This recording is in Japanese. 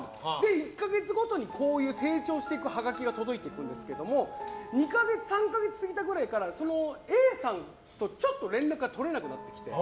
１か月ごとにこういう成長していくハガキが届いていくんですけど２か月、３か月過ぎたころからそのＡさんと、ちょっと連絡が取れなくなってきて。